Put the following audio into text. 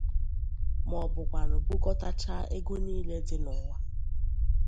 ma ọ bụkwanụ bukọtachaa ego niile dị n'ụwa